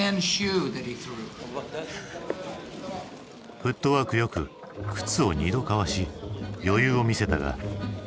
フットワークよく靴を２度かわし余裕を見せたが。